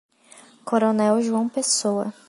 Coronel João Pessoa